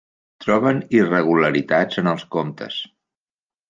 Troben irregularitats en els comptes